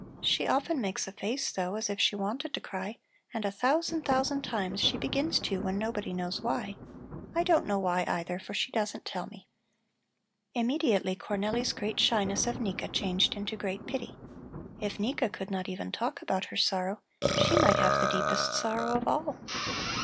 "She often makes a face, though, as if she wanted to cry and a thousand, thousand times she begins to when nobody knows why. I don't know why, either, for she doesn't tell me." Immediately Cornelli's great shyness of Nika changed into great pity. If Nika could not even talk about her sorrow, she might have the deepest sorrow of all.